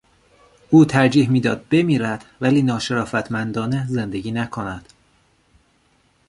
او ترجیح میداد بمیرد ولی ناشرافتمندانه زندگی نکند.